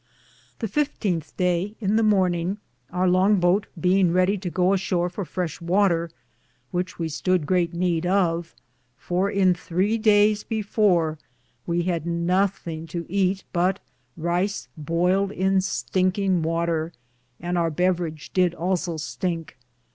The 15th day, in the morninge, our longe boate beinge reddie to go ashore for freshe water, which we stod great need of, for in 3 dayes before we had nothinge to eate but rice boyled in stinkinge water, and our bevveredge did also stincke.